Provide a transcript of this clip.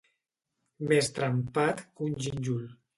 Més trempat que un gínjol.